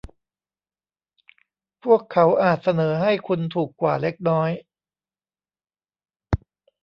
พวกเขาอาจเสนอให้คุณถูกกว่าเล็กน้อย